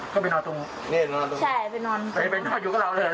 เข้าไปนอนตรงนู้นเท่าไหร่เหรอ